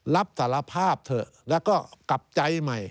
รับสารภาพเถอะแล้วก็กลับใจใหม่